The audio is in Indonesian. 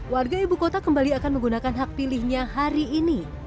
warga ibu kota kembali akan menggunakan hak pilihnya hari ini